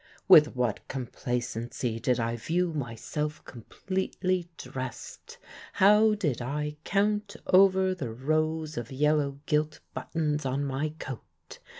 With what complacency did I view myself completely dressed! How did I count over the rows of yellow gilt buttons on my coat!